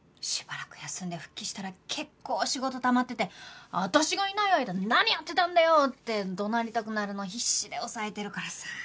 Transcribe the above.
しばらく休んで復帰したら結構仕事たまってて「私がいない間何やってたんだよ！」って怒鳴りたくなるの必死で抑えてるからさ。